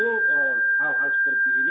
tentu hal hal seperti ini tidak harus terjadi